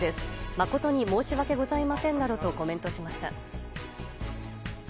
誠に申し訳ございませんなどとコメントしました。